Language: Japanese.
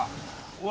うわ！